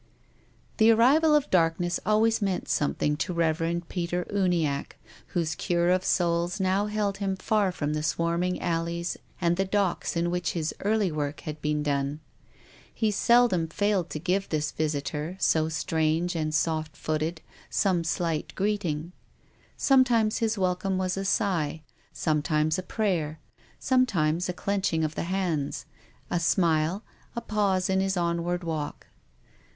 The arrival of darkness always meant something to the Rev. Peter Uniacke, whose cure of souls now held him far from the swarming alleys and the docks in which his early work had been done. He seldom failed to give this visitor, so strange and soft footed, some slight greeting. Sometimes his welcome was a sigh, sometimes a prayer, some times a clenching of the hands, a smile, a pause in his onward walk.